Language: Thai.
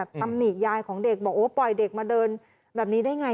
ตำหนิยายของเด็กบอกโอ้ปล่อยเด็กมาเดินแบบนี้ได้ไง